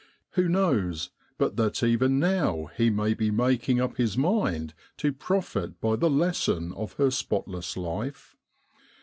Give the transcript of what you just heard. Who knows but that even now he may be making up his mind to profit by the lesson of her spotless life?